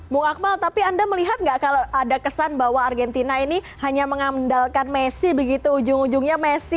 bu akmal tapi anda melihat nggak kalau ada kesan bahwa argentina ini hanya mengandalkan messi begitu ujung ujungnya messi